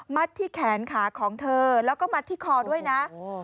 ที่แขนขาของเธอแล้วก็มัดที่คอด้วยนะ